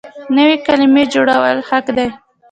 نوې کلمې جوړول حق دی.